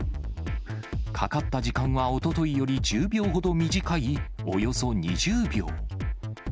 かかった時間はおとといより１０秒ほど短い、およそ２０秒。